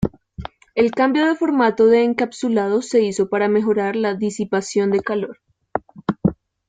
El cambio de formato de encapsulado se hizo para mejorar la disipación de calor.